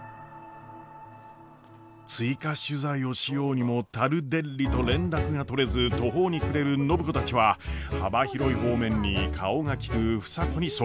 追加取材をしようにもタルデッリと連絡が取れず途方に暮れる暢子たちは幅広い方面に顔が利く房子に相談。